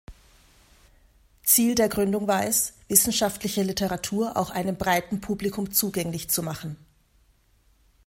Ziel der Gründung war es, wissenschaftliche Literatur auch einem breiten Publikum zugänglich zu machen.